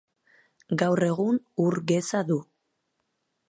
Gaur egun ur geza du.